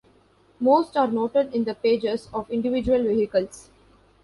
Most are noted in the pages of individual vehicles.